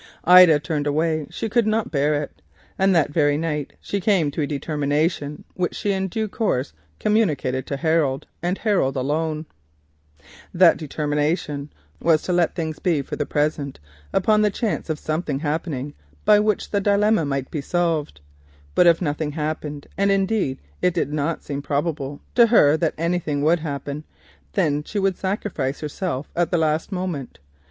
She turned away; she could not bear it, and that very night she came to a determination, which in due course was communicated to Harold, and him alone. That determination was to let things be for the present, upon the chance of something happening by means of which the dilemma might be solved. But if nothing happened—and indeed it did not seem probable to her that anything would happen—then she would sacrifice herself at the last moment.